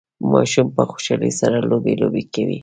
ماشوم په خوشحالۍ سره لوبي لوبې کوي